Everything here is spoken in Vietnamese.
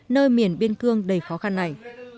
nơi miền biên cương đầy khó khăn này